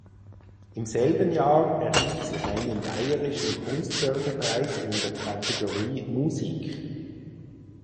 Im selben Jahr erhielt sie einen Bayerischen Kunstförderpreis in der Kategorie „Musik“.